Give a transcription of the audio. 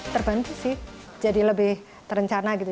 terbantu sih jadi lebih terencana gitu